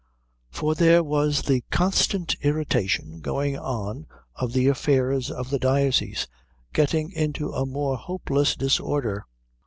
For there was the constant irritation going on of the affairs of the diocese getting into a more hopeless disorder.